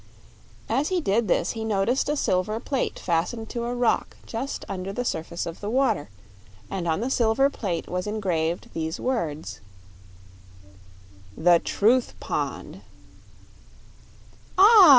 As he did this he noticed a silver plate fastened to a rock just under the surface of the water, and on the silver plate was engraved these words: THE TRUTH POND "Ah!"